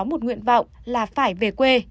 một nguyện vọng là phải về quê